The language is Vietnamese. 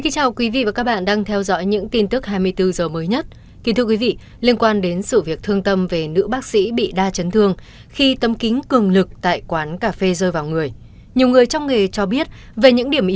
các bạn hãy đăng ký kênh để ủng hộ kênh của chúng mình nhé